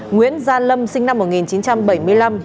nguyễn gia lâm sinh năm một nghìn chín trăm bảy mươi năm